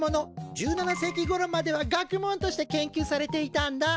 １７世紀ごろまでは学問として研究されていたんだ。